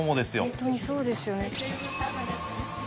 ホントにそうですよね。